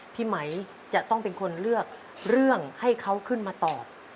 พี่ไหมจะต้องเป็นคนเลือกเรื่องให้เขาขึ้นมาตอบ